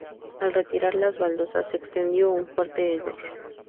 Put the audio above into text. Al retirar las baldosas se extendió un fuerte hedor.